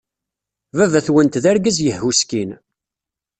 Baba-twent d argaz yehhuskin.